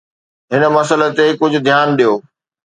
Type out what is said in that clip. هن مسئلي تي ڪجهه ڌيان ڏيو.